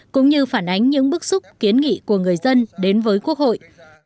cũng như phản ánh những bức xúc kiến nghị của người dân đến với quốc hội